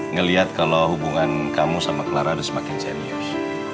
ngelihat kalau hubungan kamu sama clara udah semakin serius